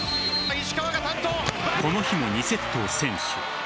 この日も２セットを先取。